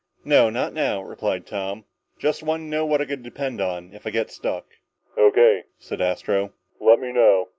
"No, not now," replied Tom. "Just wanted to know what I could depend on, if I get stuck." "O.K.," said Astro. "Let me know!"